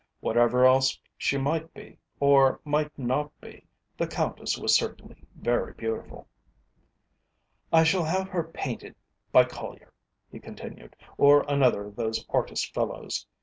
Whatever else she might be, or might not be, the Countess was certainly very beautiful. "I shall have her painted by Collier," he continued, "or another of those artist fellows.